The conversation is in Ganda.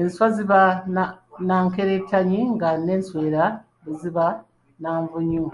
Enswa ziba na nkerettanyi nga n’enswera bwe ziba na Nvunyu.